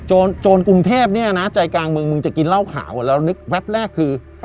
โจรกรุงเทพเนี่ยนะใจกลางเมืองมึงจะกินเหล้าขาวแล้วนึกแวบแรกคือ